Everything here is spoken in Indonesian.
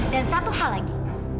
dan satu hal lagi